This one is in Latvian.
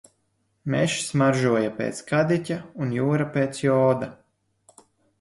Mežs smaržoja pēc kadiķa un jūra pēc joda.